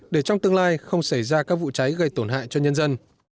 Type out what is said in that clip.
để trong tương lai không xảy ra các vụ cháy gây tổn hại cho nhân dân